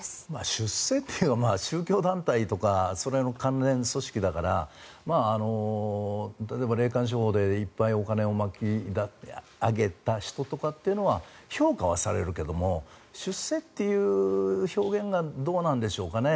出世というか宗教団体とかそれの関連組織だから例えば霊感商法でいっぱいお金を巻き上げた人というのは評価はされるけれども出世っていう表現がどうなんでしょうかね。